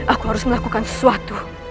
aku harus melakukan sesuatu